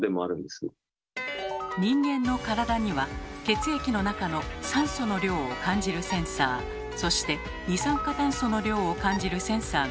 人間の体には血液の中の酸素の量を感じるセンサーそして二酸化炭素の量を感じるセンサーがあります。